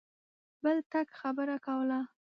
بل ټک خبره کوله.